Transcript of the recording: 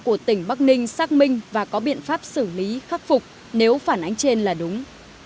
của tỉnh bắc ninh xác minh và có biện pháp xử lý khắc phục nếu phản ánh trên là đúng